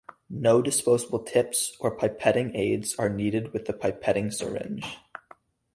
No disposable tips or pipetting aids are needed with the pipetting syringe.